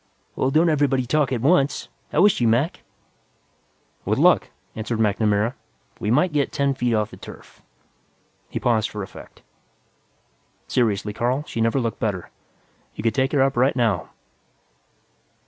"Well, don't everybody talk at once. How is she, Mac?" "With luck," answered MacNamara, "we might get ten feet off the turf." He paused for effect. "Seriously, Carl, she never looked better. You could take her up right now.